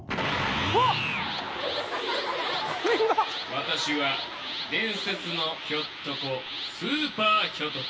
私は伝説のひょっとこスーパーひょと子。